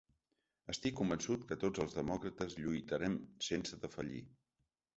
Estic convençut que tots els demòcrates lluitarem sense defallir.